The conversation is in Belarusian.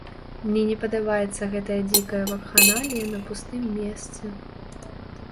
Мне не падабаецца гэтая дзікая вакханалія на пустым месцы.